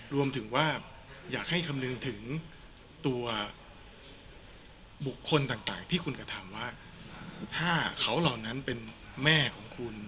รวมถึงว่าอยากให้คำนึงถึงตัวบุคคลต่างที่คุณกระทำว่าถ้าเขาเหล่านั้นเป็นแม่ของคุณ